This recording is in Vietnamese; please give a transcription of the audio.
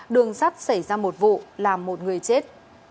đường sắt xảy ra một vụ làm một người chết